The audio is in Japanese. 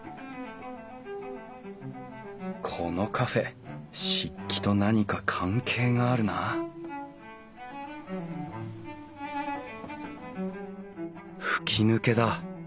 このカフェ漆器と何か関係があるな吹き抜けだ。